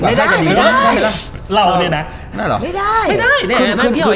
ไม่เราเนี่ยนะ